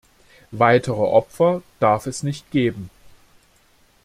Weitere Opfer darf es nicht geben.